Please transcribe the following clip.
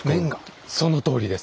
そのとおりです。